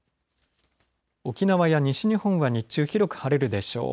沖縄や西日本は日中、広く晴れるでしょう。